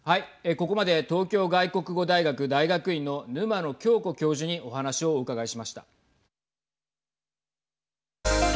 ここまで東京外国語大学大学院の沼野恭子教授にお話をお伺いしました。